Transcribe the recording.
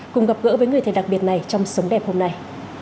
cùng gặp gỡ với người thầy đặc biệt này trong sống đẹp hôm nay